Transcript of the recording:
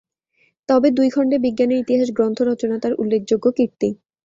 তবে দুই খণ্ডে "বিজ্ঞানের ইতিহাস" গ্রন্থ রচনা তাঁর উল্লেখযোগ্য কীর্তি।